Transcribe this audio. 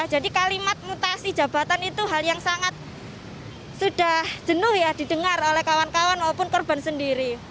jadi kalimat mutasi jabatan itu hal yang sangat sudah jenuh ya didengar oleh kawan kawan maupun korban sendiri